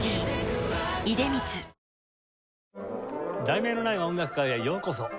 『題名のない音楽会』へようこそ。